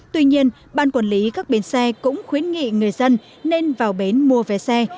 tuy nhiên ban quản lý các biến xe cũng khuyến nghị người dân nên vào biến mua vé xe